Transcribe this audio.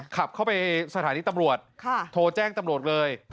ขับเข้าไปสถานีตำรวจโทรแจ้งตำรวจเลย